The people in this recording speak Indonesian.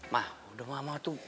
mah udah mama tuh